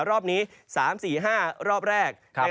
รอบนี้๓๔๕รอบแรก